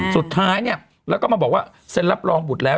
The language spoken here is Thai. สุดท้ายเนี่ยแล้วก็มาบอกว่าเซ็นรับรองบุตรแล้ว